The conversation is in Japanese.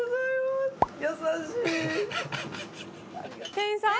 店員さん？